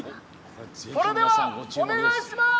それでは、お願いします！